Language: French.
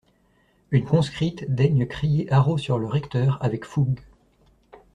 Une conscrite daigne crier haro sur le recteur avec fougue.